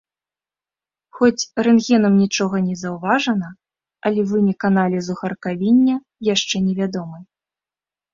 Хоць рэнтгенам нічога не заўважана, але вынік аналізу харкавіння яшчэ невядомы.